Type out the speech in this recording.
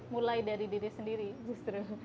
mulai dari diri sendiri justru